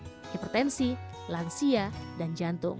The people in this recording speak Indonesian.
hipertensi lansia dan jantung